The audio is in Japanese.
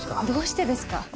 どうしてですか？